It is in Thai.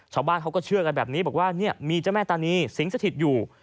ชาวบ้านเขาก็เชื่อกันแบบนี้บอกว่าเนี่ยมีเจ้าแม่ตานีสิงสถิตอยู่